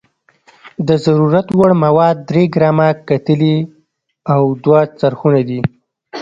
د ضرورت وړ مواد درې ګرامه کتلې او دوه څرخونه دي.